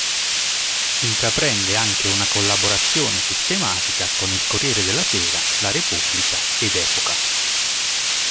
Intraprende anche una collaborazione sistematica con il "Corriere della Sera", "La Repubblica" ed "Epoca".